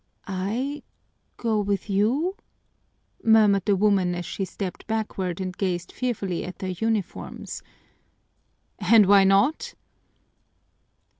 "I go with you?" murmured the woman, as she stepped backward and gazed fearfully at their uniforms. "And why not?"